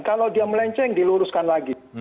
kalau dia melenceng diluruskan lagi